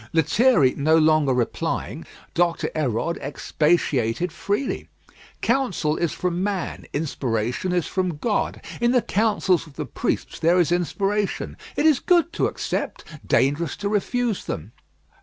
Lethierry no longer replying, Doctor Hérode expatiated freely. Counsel is from man; inspiration is from God. In the counsels of the priests there is inspiration. It is good to accept, dangerous to refuse them.